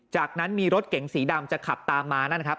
จากนั้นมีรถเก๋งสีดำจะขับตามมานั่นนะครับ